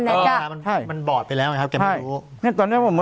นั่นแหละใช่มันบอดไปแล้วไงครับแกไม่รู้ใช่นี่ตอนนี้ผม